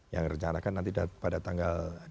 yang rencanakan nanti pada tanggal